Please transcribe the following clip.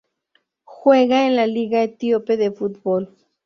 Juega en la Liga etíope de fútbol.